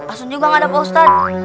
asun juga gak ada pak ustadz